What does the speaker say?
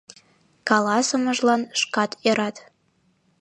— Каласымыжлан шкат ӧрат...